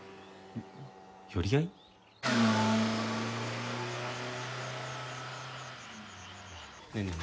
寄り合い？ねえねえ。